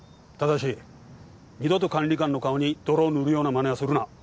ただし二度と管理官の顔に泥を塗るようなまねはするな。